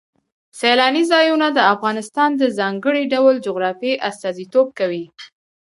سیلانی ځایونه د افغانستان د ځانګړي ډول جغرافیه استازیتوب کوي.